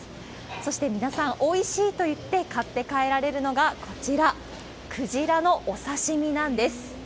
そして、皆さん、おいしいといって買って帰られるのがこちら、クジラのお刺身なんです。